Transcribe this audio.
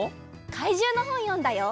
かいじゅうのほんよんだよ！